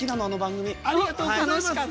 ありがとうございます。